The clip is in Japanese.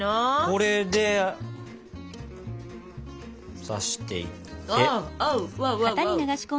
これで刺していって。